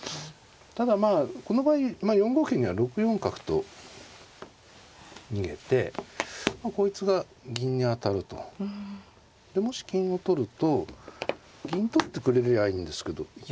ただまあこの場合４五桂には６四角と逃げてこいつが銀に当たると。でもし金を取ると銀取ってくれりゃあいいんですけど一回